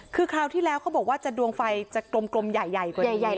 คือคราวที่แล้วเขาบอกว่าจะดวงไฟกลมใหญ่